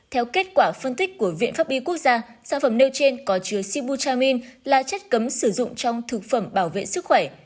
theo kết quả phân tích của viện pháp y quốc gia sản phẩm nêu trên có chứa sibu chamin là chất cấm sử dụng trong thực phẩm bảo vệ sức khỏe